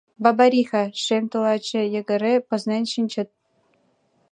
Бабариха — шем тулаче Йыгыре пызнен шинчат